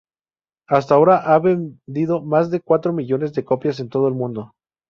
Hasta ahora ha vendido más de cuatro millones de copias en todo el mundo.